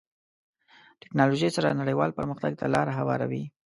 ټکنالوژي سره نړیوال پرمختګ ته لاره هواروي.